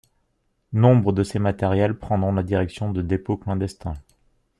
Nombre de ces matériels prendront la direction de dépôts clandestins.